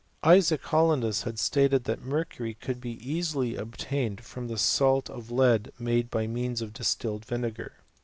, Isaac Hollandus had stated that mercury could be easily obtained from the salt of lead made by means of distilled vinegar.